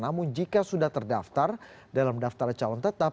namun jika sudah terdaftar dalam daftar calon tetap